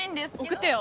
送ってよ。